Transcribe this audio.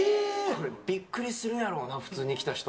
びっくりするやろうな、普通に来た人。